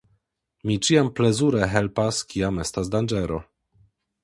Mi ĉiam plezure helpas kiam estas danĝero.